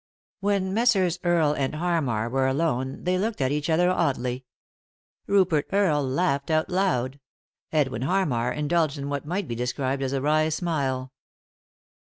When Messrs. Earle and Harmar were alone they looked at each other oddly. Rupert Earle laughed out aloud ; Edwin Harmar indulged in what might be described as a wry smile.